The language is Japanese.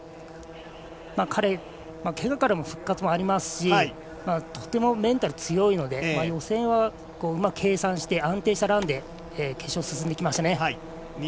彼はけがからの復活もありますしとてもメンタルが強いので予選はうまく計算して安定したランで決勝に進んできましたね。